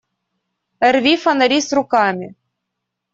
Рви фонари с руками!